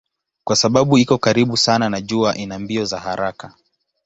Kwa sababu iko karibu sana na jua ina mbio za haraka.